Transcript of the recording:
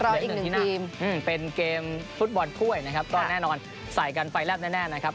อีกหนึ่งที่นำเป็นเกมฟุตบอลถ้วยนะครับก็แน่นอนใส่กันไฟแลบแน่นะครับ